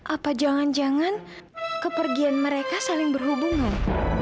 apa jangan jangan kepergian mereka saling berhubungan